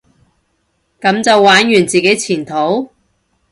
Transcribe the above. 噉就玩完自己前途？